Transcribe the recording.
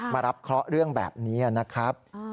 มารับเคราะห์เรื่องแบบนี้นะครับ